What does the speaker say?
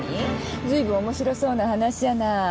ずいぶん面白そうな話じゃない。